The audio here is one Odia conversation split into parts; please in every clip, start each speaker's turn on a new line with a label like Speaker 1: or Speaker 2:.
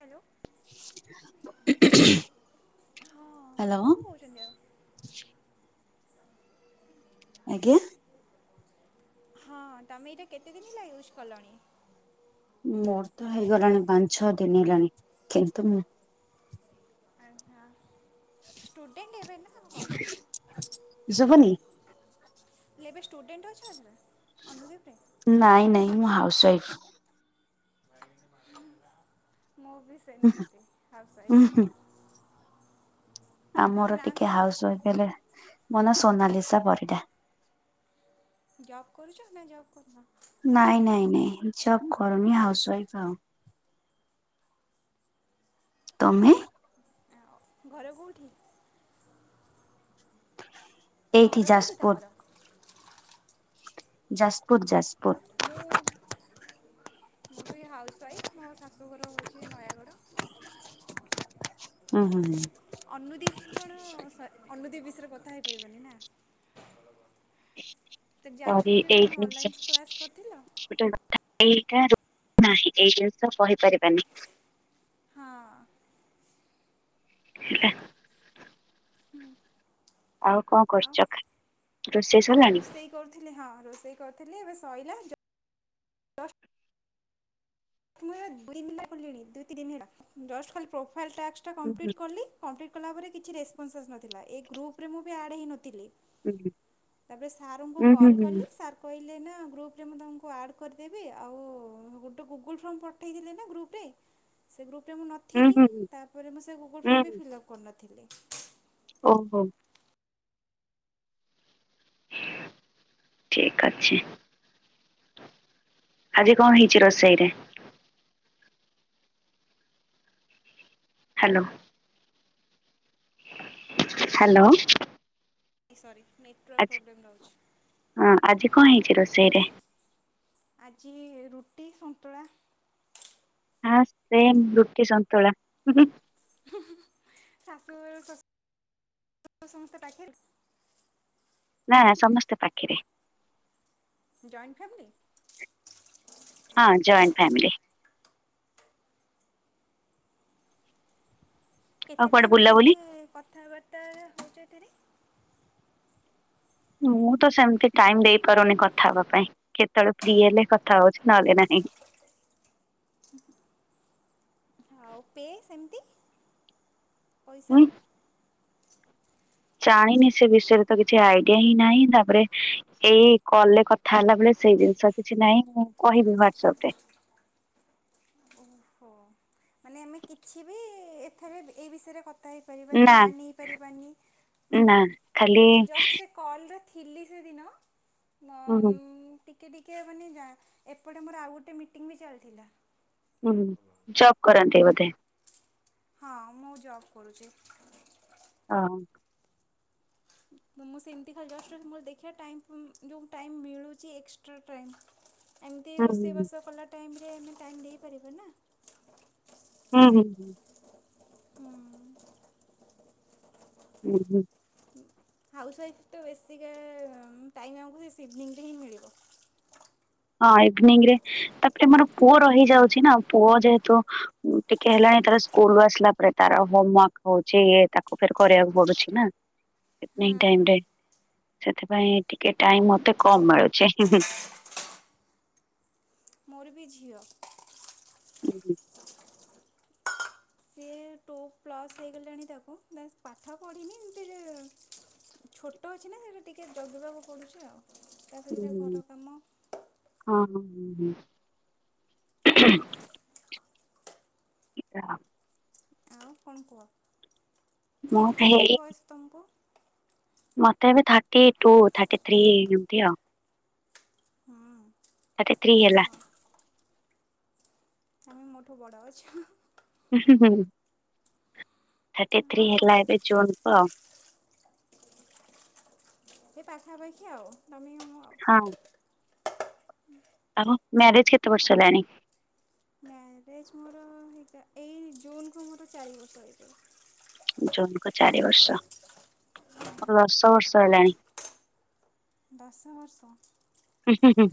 Speaker 1: ହ୍ୟାଲୋ ହଁ
Speaker 2: ହ୍ୟାଲୋ
Speaker 1: କୋଉଠୁ କୋହୁଚନ୍ତି ଆଉ?
Speaker 2: ଆଗିଆଁ?
Speaker 1: ହଁ ତମେ ଏଇଟା କେତେ ଦିନ ହେଲା ୟୁଜ କଲଣି?
Speaker 2: ମୋର ତ ହେଇଗଲାଣି ପାଞ୍ଚ ଛଅ ଦିନ ହେଲାଣି କିନ୍ତୁ ମୁଁ
Speaker 1: ଆଚ୍ଛା। ଷ୍ଟୁଡେଣ୍ଟ୍ ହେବେ ନାଁ ଆଉ କଣ?
Speaker 2: ଶୁଭୁନି
Speaker 1: ଲି ଏବେ ଷ୍ଟୁଡେଣ୍ଟ୍ ଅଛନ୍ତି ନାଁ ଅନୁଦୀପରେ?
Speaker 2: ନାଇଁ ନାଇଁ ମୁଁ ହାଉସ ୱାଇଫ୍।
Speaker 1: ହୁଁ। ମୁଁ ବି
Speaker 2: ୱାଇଫ
Speaker 1: ସେମତି ହାଉସ ୱାଇଫ।
Speaker 2: ଆମର ଟିକେ ହାଉସ ୱାଇଫ ହେଲେ ମୋ ନା ସୋନାଲିସା ପରିଡ଼ା।
Speaker 1: ଜବ କରୁଚ ନା ଜବ କରୁନ? ଖାଲି
Speaker 2: ନାଇଁ ନାଇଁ ନାଇଁ ଜବ କରୁନି ହାଉସ ୱାଇଫ୍ ଆଉ। ତମେ?
Speaker 1: ଆଉ ଘର କୋଉଠି?
Speaker 2: ଏଇଠି
Speaker 1: ଘର କୋଉଠି
Speaker 2: ଯାଜପୁର
Speaker 1: ତମର?
Speaker 2: ଯାସୁପୁର ଯାସପୁର।
Speaker 1: ମୁଁ ମୁଁ ବି ହାଉସ୍ ୱାଇଫ୍ ମୋ ଶାଶୁଘର ହଉଚି ନୟାଗଡ଼।
Speaker 2: ଉଁ ହୁଁ ହୁଁ।
Speaker 1: ଅନୁଦୀପ କଣ ସ ଅନୁଦୀପ ବିଷୟରେ କଥା ହେଇପାରିବନି ନା। ତ
Speaker 2: ଅରି
Speaker 1: ଯାଜପୁରରେ କଣ
Speaker 2: ଏଇ
Speaker 1: ତମେ ଅନଲାଇନ୍ କ୍ଲାସ୍ କରିଥିଲ?
Speaker 2: [unintelligible] ଏଇଟା ନାହିଁ ଏଇ ଜିନିଷ କହିପାରିବାନି।
Speaker 1: ହଁ।
Speaker 2: ହେଲା? ଆଉ କଁ
Speaker 1: ଆଉ
Speaker 2: କରଚ ଖା ରୋଷେଇ ସରଲାଣି?
Speaker 1: ରୋଷେଇ କରୁଥିଲି ହଁ ରୋଷେଇ କରିଥିଲି ଏବେ ସଇଲା, ଯ ମୁଁ ଏ ଦୁଇଦିନ ହେଲା କଲିଣି ଦୁଇ ତିନି ହେଲା ଜଷ୍ଟ ଖାଲି ପ୍ରୋଫାଇଲ୍ ଟାସ୍କଟା
Speaker 2: ହୁଁ
Speaker 1: କମ୍ପ୍ଲିଟ୍ କଲି। କମ୍ପ୍ଲିଟ୍ କଲା ପରେ କିଛି ରେସପନ୍ସ ନଥିଲା, ଏ ଗ୍ରୁପ୍ରରେ ମୁଁ ବି ଆଡ଼୍ ହୋଇଇନଥିଲି। ତାପରେ ସାର୍ ଙ୍କୁ
Speaker 2: ହୁଁ ହୁଁ
Speaker 1: କଲ
Speaker 2: ହୁଁ ହୁଁ ହୁଁ
Speaker 1: କଲି ସାର୍ କହିଲେ ନା ଗ୍ରୁପରେ ମୁଁ ତମକୁ ଆଡ଼୍ କରିଦେବି, ଆଉ ଗୋଟେ ଗୁଗୁଲ୍ ଫର୍ମ ପଠେଇଥିଲେ ନା ଗ୍ରୁପ୍ ରେ, ସେ ଗ୍ରୁପ୍ ରେ ମୁଁ
Speaker 2: ହୁଁ
Speaker 1: ନଥିଲି,
Speaker 2: ହୁଁ ହୁଁ
Speaker 1: ତାପରେ ମୁଁ ସେ ଗୁଗଲ୍ ଫର୍ମ
Speaker 2: ହୁଁ।
Speaker 1: ବି ଫିଲ୍ଅପ୍ କରିନଥିଲି।
Speaker 2: ଓହୋ। ଠିକ ଅଛି। ଆଜି କଣ ହେଇଛି ରୋଷେଇ ରେ? ହ୍ୟାଲୋ। ହ୍ୟାଲୋ।
Speaker 1: ସରି ନେଟ୍ ୱା
Speaker 2: ଆଛା, ହଁ ଆଜି କଣ ହେଇଛି ରୋଷେଇରେ?
Speaker 1: ଆଜି ରୁଟି ସନ୍ତୁଳା।
Speaker 2: ହଁ ସେମ୍ ରୁଟି ସନ୍ତୁଳା।
Speaker 1: ଶାଶୁ ଶଶୁର ସମସ୍ତେ ପାଖେରେ?
Speaker 2: ନା ସମସ୍ତେ ପାଖେରେ।
Speaker 1: Joint family?
Speaker 2: ହଁ ଜଏଣ୍ଟ ଫ୍ୟାମିଲି। ଆଉ
Speaker 1: କେତେ
Speaker 2: କୁଆଡେ
Speaker 1: ଟାଇମ୍ ଏମିତି
Speaker 2: ବୁଲାବୁଲି
Speaker 1: କଥାବାର୍ତ୍ତା ହେଉଛି ଏଥିରେ?
Speaker 2: ମୁଁ ତ ସେମିତି ଟାଇମ୍ ଦେଇପାରୁନି କଥା ହେବା ପାଇଁ। କେତେବେଳେ ଫ୍ରି ହେଲେ କଥା ହଉଛି ନହେଲେ ନାହିଁ।
Speaker 1: ଆଉ ପେ ସେମିତି ପଇସା
Speaker 2: ଉଁ ଜାଣିନି ସେ ବିଷୟରେ ତ କିଛି ଆଇଡିଆ ହିଁ ନାହିଁ, ତାପରେ ଏଇ କଲଲେ କଥା ହେଲା ବେଳେ ସେଇ ଜିନିଷ କିଛି ନାହିଁ, ମୁଁ କହିବି ହୁଆଡସପ୍ ରେ।
Speaker 1: ଓହୋ। ମାନେ ଆମେ କିଛି ବି ଏଥରେ ଏଇ ବିଷୟରେ କ କଥା ହେଇପାରିବା ନି
Speaker 2: ନା
Speaker 1: ନାନି ହେଇପାରିବା ନି
Speaker 2: ନା ଖାଲି
Speaker 1: ମୁ ଜଷ୍ଟ ସେ କଲ୍ ରେ ଥିଲି ସେଦିନ
Speaker 2: ହୁଁ
Speaker 1: ଟିକେ ଟିକେ ଟିକେ ମାନେ ଜାଆଁ ଏପଟେ ମୋର ଆଉ ଗୋଟେ ମିଟିଂ ବି ଚାଲିଥିଲା।
Speaker 2: ହୁଁ ଜବ୍ କରନ୍ତି ବୋଧେ।
Speaker 1: ହଁ ମୁଁ ଜବ୍ କରୁଛି।
Speaker 2: ହଁ।
Speaker 1: ତ ମୁଁ ସେମିତି ଖାଲି ଜଷ୍ଟ ମୋ ଦେଖିବା ଟାଇମ୍ ମୋ ଯୋଉ ଟାଇମ୍ ମିଳୁଛି ଏକ୍ସଟ୍ରା ଟାଇମ୍ ଏମିତି
Speaker 2: ହୁଁ
Speaker 1: ରୋଷେଇବାସ କଲା ଟାଇମ୍ ରେ ଆମେ ଟାଇମ୍ ଦେଇପାରିବା ନା?
Speaker 2: ହୁଁ ହୁଁ।
Speaker 1: ହୁଁ।
Speaker 2: ହୁଁ ହୁଁ।
Speaker 1: ହାଉସ୍ ୱାଇଫ୍ ତ ବେଶୀକା ଟାଇମ ଆମକୁ ସେ ଇଭିନିଂରେ ହିଁ ମିଳିବ।
Speaker 2: ହଁ ଇଭିନିଂ ରେ ତାପରେ ମୋର ପୁଅ ରହିଯାଉଛି ନା ପୁଅ ଯେହେତୁ ଟିକେ ହେଲାଣି ତାର ସ୍କୁଲୁ ଆସିଲା ପରେ ତାର ହୋମୱାର୍କ ହଉଛି ୟେ ତାକୁ ଫେର୍ କରିବାକୁ ପଡୁଛି ନା।
Speaker 1: ହଁ।
Speaker 2: ଇଭିନଙ୍ଗି ଟାଇମ୍ ରେ ସେଥିପାଇଁ ଟିକେ ଟାଇମ ମତେ କମ ମିଳୁଛି, ହୁଁ ହୁଁ।
Speaker 1: ମୋର ବି ଝିଅ।
Speaker 2: [inaudible]
Speaker 1: ସିଏ ଟୁ ପ୍ଲସ୍ ହେଇଗଲାଣି ତାକୁ ବାସ୍ ପାଠ ପଢ଼ିନି ଏମତି ଯେ ଛୋଟ ଅଛି ନା ସେଇଟା ଟିକେ ଜଗିବାକୁ ପଡ଼ୁଛି ଆଉ ତା ସାଥିରେ ଘର କାମ।
Speaker 2: ହଁ ହଁ ହଁ ହଁ [unintelligible]
Speaker 1: ଆଉ କଣ କୁଅ?
Speaker 2: ମୁଁ
Speaker 1: କେତେ
Speaker 2: ହେଇ
Speaker 1: ବୟସ ତମକୁ?
Speaker 2: ମତେ ଏବେ ଥାର୍ଟି ଟୁ ଥାର୍ଟି ଥ୍ରୀ ଯେମତି ଆଉ
Speaker 1: ହଁ।
Speaker 2: ଥାର୍ଟିଥ୍ରୀ ହେଲା
Speaker 1: ହଁ ଆଃ ମୋଠୁବଡ଼ ଅଛ। ହଁ ହଁ
Speaker 2: ଉଁ ହୁଁ ହୁଁ ହୁ ଥାର୍ଟି
Speaker 1: ହଁ
Speaker 2: ଥ୍ରୀ
Speaker 1: ହଉ
Speaker 2: ହେଲା ଏବେ ଜୁନ୍ କୁ ଆଉ।
Speaker 1: ସେ ପାଖାପାଖି ଆଉ ତମେ ମୁଁ ଆଉ
Speaker 2: ହଁ। ଆଉ ମ୍ୟାରେଜ କେତେ ବର୍ଷ ହେଲାଣି?
Speaker 1: ମ୍ୟାରେଜ୍ ମୋର ହେଇଟା ଏଇ ଜୁନ୍ କୁ ମୋର ଚାରି ବର୍ଷ ହେଇଯିବ।
Speaker 2: ଜୁନ୍ କୁ ଚାରି ବର୍ଷ ଦଶ ବର୍ଷ ହେଲାଣି।
Speaker 1: ଦଶ ବର୍ଷ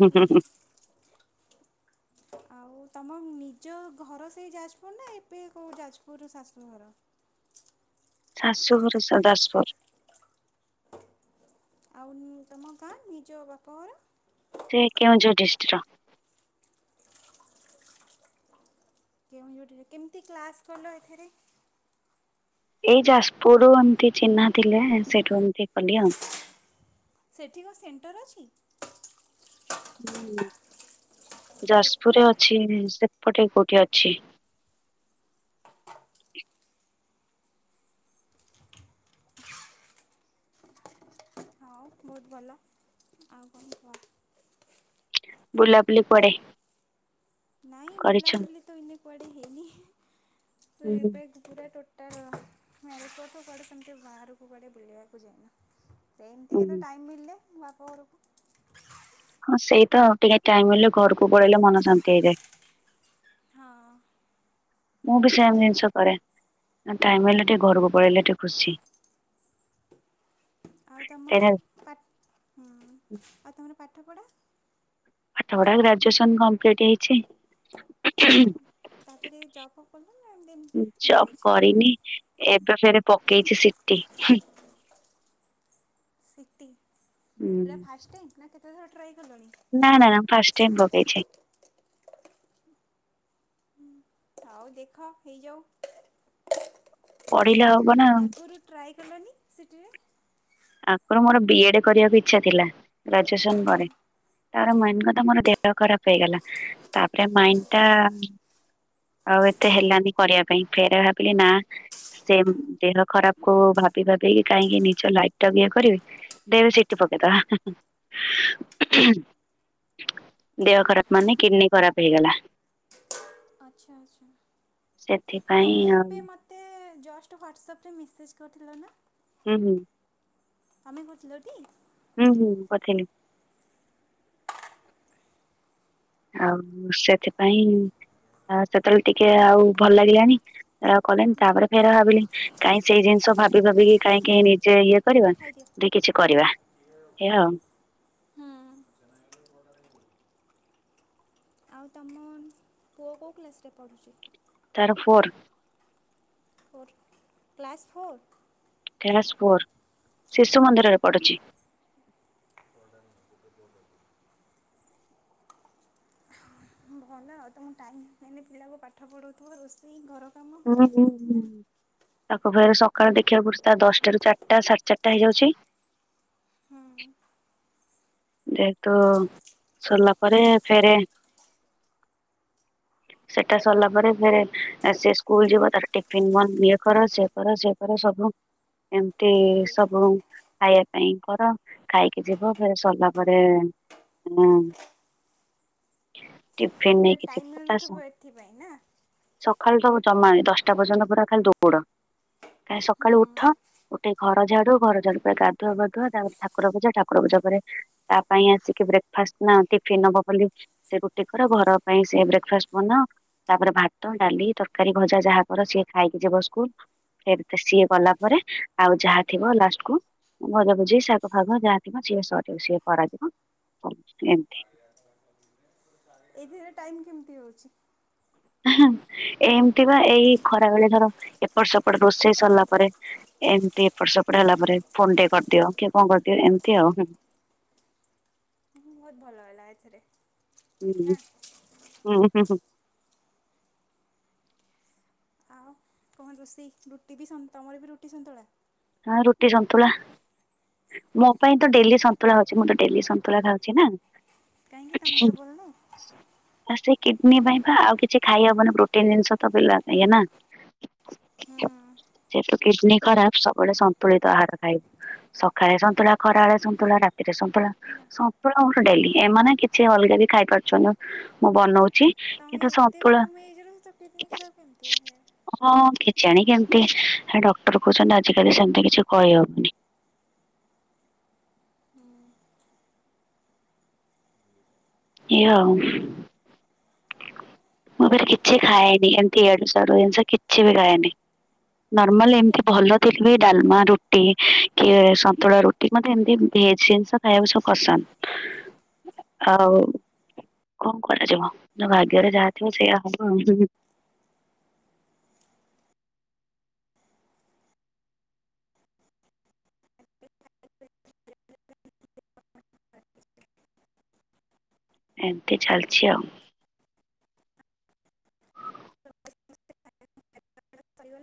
Speaker 1: ଉଁ ହୁ। ଆଉ ତମ ନିଜ ଘର ସେଇ ଯାଜପୁର ନା ଏବେ କେ ଯାଜପୁର ଶାଶୁଘର
Speaker 2: ଶାଶୁଘର ସ ଦାସପୁର
Speaker 1: ଆଉ ନି ତମ ଗାଁ ନିଜ ବାପଘର?
Speaker 2: ସେ କେଉଁଝର ଡିଷ୍ଟ ର।
Speaker 1: କେଉଁ [unintelligible] କେମତି କ୍ଲାସ୍ କଲ ଏଥିରେ
Speaker 2: ଏଇ ଯାଜପୁରରୁୁ ଏମିତି ଚିହ୍ନା ଥିଲେ ସେଠୁ ଏମତି କଲି ଆଉ
Speaker 1: ସେଠି କଁ ସେଣ୍ଟର୍ ଅଛି?
Speaker 2: ହୁଁ ଯାଜପୁରରେ ଅଛି। ସେପଟେ କୋଉଠି ଅଛି?
Speaker 1: ହଁ ବହୁତ୍ ଭଲ ଆଉ କଣ୍ କୁହ?
Speaker 2: ବୁଲାବୁଲି କୁଆଡେ?
Speaker 1: ନାଇଁ
Speaker 2: କରିଛ?
Speaker 1: ବୁଲାବୁଲି ତ ଏଇନେ କୁଆଡ଼େ ହେଇନି ହି ହି ତୋ
Speaker 2: ହୁଁ
Speaker 1: ଏବେ ବୁ ପୁରା ଟୋଟାଲ ମ୍ୟାରେଜ୍ ପରଠୁ କୁଆଡ଼େ ସେମତି ବାହାରୁକୁ କୁଆଡ଼େ ବୁଲିଆକୁ ଯାଇନି। ସେମତି
Speaker 2: ହୁଁ।
Speaker 1: କେବେ ଟାଇମ୍ ମିଳିଲେ ମୋ ବାପ ଘରୁକୁ
Speaker 2: ହଁ ସେଇ ତ ଟିକେ ଟାଇମ୍ ମିଳିଲେ ଘରୁକୁ ପଳେଇଲେ ମନ ଶାନ୍ତି ହେଇଯାଏ।
Speaker 1: ହଁ।
Speaker 2: ମୁଁ ବି ସେମ୍ ଜିନିଷ କରେ। [unintelligible] ଟାଇମ୍ ମିଳିଲେ ଟିକେ ଘରୁକୁ ପଳେଇଲେ [unintelligible] ଖୁସି।
Speaker 1: ଆଉ ତମ
Speaker 2: କାହିଁକିନା
Speaker 1: [unintelligible] ପାଠ୍ ଉଁ ଆଉ ତମର ପାଠପଢ଼ା?
Speaker 2: ପାଠ ପଢା ଏଇ ଗ୍ରାଜୁଏସନ୍ କମ୍ପ୍ଲିଟ୍ ହେଇଛି। [unintelligible]
Speaker 1: ତାପରେ ଜବ୍ ଫବ୍ କଲୁ ନା ଏମତି ଏମ୍
Speaker 2: ଜବ୍
Speaker 1: ମ୍ୟାରେଜ୍ ହେଇଗଲା?
Speaker 2: କରିନି ଏବେ ଫେରେ ପକେଇଛି ସିଟି [unintelligible]
Speaker 1: ସିଟି
Speaker 2: ହୁଁ
Speaker 1: ଏଟା ଫାଷ୍ଟ୍ ଟାଇମ୍ ନା କେତେଥର ଟ୍ରାଏ କଲଣି?
Speaker 2: ନା ନା ନା ନା ଫାଷ୍ଟ୍ ଟାଇମ୍ ପକେଇଛି।
Speaker 1: ଆଉ ଦେଖ ହେଇଯାଉ।
Speaker 2: ପଢିଲେ ଆଉ ହବ ନା
Speaker 1: ଉଁ ଆଗୁରୁ ଟ୍ରାଏ କଲନି ସିଟି ରେ?
Speaker 2: ଆପଣ ମୋର ବି ଏଡେ କରିବାକୁ ଇଚ୍ଛା ଥିଲା ଗ୍ରାଜୁଏସନ୍ ପରେ ତାର ମାଇଣ୍ଡ୍ କଥା ମୋର ଦେହ ଖରାପ ହେଇଗଲା ତାପରେ ମାଇଣ୍ଡ୍ ଟା ଆଉ ଏତେ ହେଲାନି କରିଆ ପାଇଁ ଫେରେ ଭାବିଲି ନା ସେମ୍ ଦେହ ଖରାପ କୁ ଭାବି ଭାବିକି କାହିଁକି ନିଜ ଲାଇଫି- ଟାକୁ ଇୟ କରିବି ଦେନେ ସିଟି ପକେଇଦବା। ଦେହ ଖରାପ ମାନେ କିଡନୀ ଖରାପ ହେଇଗଲା।
Speaker 1: ଆଚ୍ଛା ଆଚ୍ଛା।
Speaker 2: ସେଥିପାଇଁ ଆଉ
Speaker 1: ଜଷ୍ଟ୍ ୱାଟସପ୍ ରେ ମେସେଜ୍ କରିଥିଲ ନା?
Speaker 2: ହୁଁ, ହୁଁ।
Speaker 1: ତମେ କରିଥିଲ ଟି?
Speaker 2: ହୁଁ, ହୁଁ ପଥେଇନି। ଆଉ ସେଥିପାଇଁ ଆ ସେତେବେଳେ ଟିକେ ଆଉ ଭଲ ଲାଗିଲାଣି କଲେନି
Speaker 1: ହୁଁ।
Speaker 2: ତାପରେ ଫେରେ ଭାବିଲି କାହିଁ ସେଇ ଜିନିଷ ଭାବି ଭାବିକି କାହିଁକି ନିଜେ ଇଏ- କରିବା
Speaker 1: ଖାଇଦିଅ
Speaker 2: ନାଇ କିଛି କରିବା ହେଇଆ ଆଉ।
Speaker 1: ହୁଁ। [unintelligible] ଆଉ ତମ ପୁଅ କେଉଁ କ୍ଲାସ୍ ରେ ପଢ଼ୁଛି?
Speaker 2: ତାର four.
Speaker 1: Four, class four?
Speaker 2: Class four, ଶିଶୁ ମନ୍ଦିରରେ ପଡ଼ୁଛି।
Speaker 1: [unintelligible] ଭଲ ଆଉ ତମକୁ ଟାଇମ୍ ହୁଏନି ପିଲାକୁ ପାଠ ପଢ଼ଉଥିବ ରୋଷେଇ ଘର କାମ
Speaker 2: ହୁଁ, ହୁଁ, ହୁଁ।
Speaker 1: ନା
Speaker 2: ତାକୁ ଫେରେ ସକାଳୁ ଦେଖିବା ପଡୁଛି ଦଶଟାରୁ ଚାରିଟା ସାଢ଼େ ଚାରିଟା ହେଇଯାଉଛି।
Speaker 1: ହୁଁ
Speaker 2: ଯେହେତୁ ସରିଲା ପରେ ଫେରେ ସେଟା ସରିଲା ପରେ ଫେରେ ସେ ସ୍କୁଲ ଯିବ ତାର ଟିଫିନ୍ ଇଏ କର ସିଏ କର ସିଏ ପରେ ସବୁ ଏମିତି
Speaker 1: ସେଇ
Speaker 2: ସବୁ ଖାଇବା ପାଇଁ କର ଖାଇକି ଯିବ ଫେରେ ସରିଲା ପରେ ମୁଁ ଟିଫନ୍
Speaker 1: ଟୋଟାଲ୍
Speaker 2: ନେଇକି
Speaker 1: ଟାଇମ୍
Speaker 2: ଯିବ ତା ସହ?
Speaker 1: ମିଳୁନଥିବ ଏଥିପାଇଁ ନା
Speaker 2: ସକାଳୁ ତ ଜମା ଦଶଟା ପର୍ଯ୍ୟନ୍ତ ପୁରା ଖାଲି ଦୌଡ କାଁ
Speaker 1: ହୁଁ।
Speaker 2: ସକାଳୁ ଉଠ ଉଠିକି ଘର ଝାଡୁ, ଘର ଝାଡୁ ପରେ ଗାଧୁଆ ପାଧୁଆ ତାପରେ ଠାକୁର ପୂଜା, ଠାକୁର ପୂଜା ପରେ ତା ପାଇଁ ଆସିକି ବ୍ରେକ୍ ଫାଷ୍ଟ ନା ଟିଫିନ୍ ନେବ ବୋଲି ସେ ରୁଟି କର ଘର ପାଇଁ ସେ ବ୍ରେକ୍ ଫାଷ୍ଟ ବନାଅ ତାପରେ ଭାତ, ଡାଲି, ତରକାରୀ, ଭଜା ଯାହା କର ସିଏ ଖାଇକି ଯିବ ସ୍କୁଲ। ଏ ସିଏ ଗଲା ପରେ ଆଉ ଯାହା ଥିବ ଲାଷ୍ଟକୁୁ ଭଜାଭୁଜି ଶାଗ, ଫାଗ ଯାହାଥିବ ସିଏ ସରିିବ ସିଏ କରାଯିବ ଏମିତି
Speaker 1: [unintelligible] ଏଇଥିରେ ଟାଇମ୍ କେମିତି ହଉଛି?
Speaker 2: ଏମିତି ବା ଏଇ ଖରାବେଳେ ଧର ଏପଟ ସେପଟ ରୋଷେଇ ସରିଲା ପରେ ଏମିତି ଏପଟ ସେପଟେ ହେଲା ପରେ ଫୋନ ଟିକେ କରିଦିଅ କିଏ କଣ କରିଦିଅ ଏମିତି ଆଉ।
Speaker 1: ବହୁତ ଭଲ ହେଲା ଏଥିରେ।
Speaker 2: ହୁଁ,
Speaker 1: ନା
Speaker 2: ହୁଁ, ହୁଁ, ହୁଁ।
Speaker 1: ଆଉ କଣ ରୋଷେଇ? ରୁଟି ବି ସନ୍ତ--ତମର ବି ରୁଟି ସନ୍ତୁଳା?
Speaker 2: ହଁ। ରୁଟି, ସନ୍ତୁଳା। ମୋ ପାଇଁ ତ ଡେଲି ସନ୍ତୁଳା ହଉଛି ମୁଁ ତ ଡେଲି ସନ୍ତୁଳା ଖାଉଛି ନା।
Speaker 1: କାହିଁକି ତମ ଦେହ ଭଲ ନାହିଁ?
Speaker 2: [inaudible] ଆ ସେ କିଡନୀ ପାଇଁ ବା ଆଉ କିଛି ଖାଇହବନି ପ୍ରୋଟିନ ଜିନିଷ ତ ପିଲା ନା।
Speaker 1: ହୁଁ।
Speaker 2: ଯେହେତୁ କିଡନୀ ଖରାପ ସବୁବେଳେ ସନ୍ତୁଳିତ ଆହାର ଖାଇବୁ। ସକାଳେ ସନ୍ତୁଳା ଖରାବେେଳେ ସନ୍ତୁଳା ରାତିରେ ସନ୍ତୁଳା।
Speaker 1: ନା
Speaker 2: ସନ୍ତୁଲ ଗୋଟେ ଗୋଟେ ଡେଲି ଏମାନେ କିଛି ଅଲଗା ବି ଖାଇ ପାରୁଛନ୍ତି ମୁଁ ବନଉଚି।
Speaker 1: ତମେ ଏତେ କମ୍ ଏଜରୁ ତା କିଡନୀ ଖରାପ୍ କେମତି?
Speaker 2: ହଁ କିଜାଣି କେମତି ଡକ୍ଟର କହୁଛନ୍ତି ଆଜିକାଲି ସେମତି କିଛି କହିହବନି। ଏଆ ଉ। ମୁଁ ଫେରେ ରେ କିଛି
Speaker 1: ଆଉ
Speaker 2: ଖାଏନି ଏମିତି ୟାଡୁ ସ୍ୟାଡୁ ଜିନିଷ କିଛି ବି ଖାଏନି। ନର୍ମାଲ
Speaker 1: ଏମିତି
Speaker 2: ଏମତି
Speaker 1: କେତେ
Speaker 2: ଭଲ ଫିର୍ ବି ଡାଲମା ରୁଟି କି ସନ୍ତୁଳା ରୁଟି ମତେ ଏମତି ଭେଜ୍ ଜିନିଷ ଖାଇବାକୁ ସବୁ ପସନ୍ଦ୍। ଆଉ କଣ କରାଯିବ? ତା ଭାଗ୍ୟରେ ଯାହା ଥିବ ସେଇଆ ହବ ଆଉ। [unintelligible] ଏମିତି ଚାଲିଚି ଆଉ।
Speaker 1: ସରିଗଲା